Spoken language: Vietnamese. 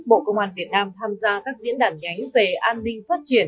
bộ công an việt nam tham gia các diễn đàn nhánh về an ninh phát triển